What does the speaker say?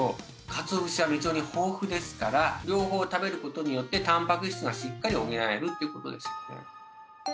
かつお節はメチオニン豊富ですから両方食べる事によってたんぱく質がしっかり補えるという事ですよね。